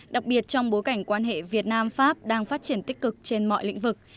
đặc biệt trong bối cảnh quan hệ việt nam pháp đang phát triển tích cực trên mọi lĩnh vực